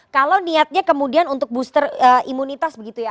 kalau niatnya kemudian untuk booster imunitas begitu ya